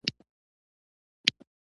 همدلته پاتېدای شې، کوم ځای کې؟